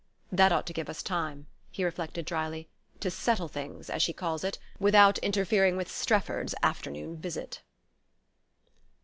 "That ought to give us time," he reflected drily, "to 'settle things,' as she calls it, without interfering with Strefford's afternoon visit."